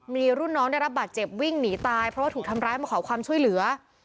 มีรุ่นน้องได้รับบาดเจ็บวิ่งหนีตายเพราะว่าถูกทำร้ายมาขอความช่วยเหลือ